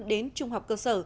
đến trung học cơ sở